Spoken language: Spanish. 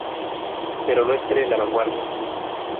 Pero no espere la vanguardia.